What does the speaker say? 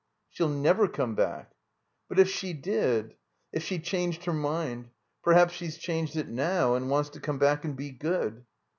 "She'll never come back." "But, if she did? If she changed her mind ? Per haps she's changed it now and wants to come back and be good."